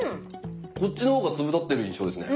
こっちの方が粒立ってる印象ですね。